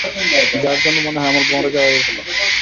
যার জন্যে মনে হয় আমার মরে যাওয়াই ভালো।